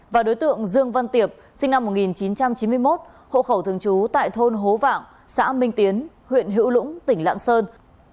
và đối tượng dương văn tiệp sinh năm một nghìn chín trăm chín mươi một hộ khẩu thường trú tại thôn hố vạng xã minh tiến huyện hữu lũng tỉnh lạng sơn